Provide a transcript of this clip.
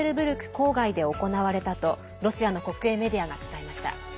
郊外で行われたと、ロシアの国営メディアが伝えました。